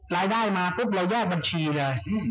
รายได้มาปุ๊บเราแยกบัญชีเลย